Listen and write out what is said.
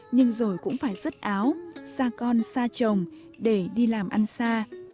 nhưng rồi cũng phải rứt áo xa con xa chồng để đi làm ăn xa